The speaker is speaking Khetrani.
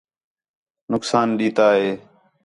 نقصان ݙِتّا ہِے